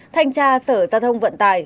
thanh tra sở giao thông vận tải